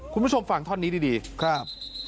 คุณผู้ชมฟังท่อนนี้ดีครับ